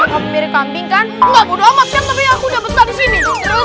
tapi aku udah besar di sini